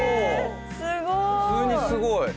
すごーい！